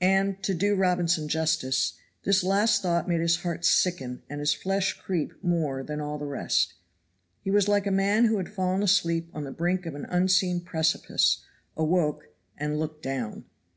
And, to do Robinson justice, this last thought made his heart sicken and his flesh creep more than all the rest. He was like a man who had fallen asleep on the brink of an unseen precipice awoke and looked down.